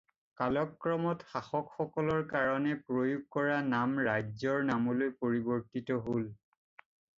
কালক্ৰমত শাসকসকলৰ কাৰণে প্ৰয়োগ কৰা নাম ৰাজ্যৰ নামলৈ পৰিবৰ্তিত হ'ল।